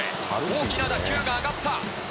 大きな打球が上がった。